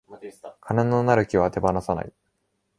金のなる木は手放さない